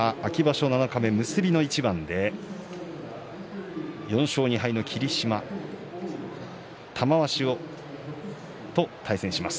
土俵は秋場所七日目結びの一番で４勝２敗の霧島玉鷲と対戦します。